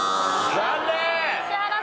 残念！